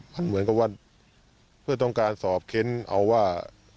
มันเหมือนกับว่าเพื่อต้องการสอบเค้นเอาว่า